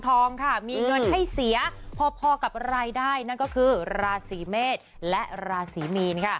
มีเงินให้เสียพอกับรายได้นั่นก็คือราศีเมษและราศีมีนค่ะ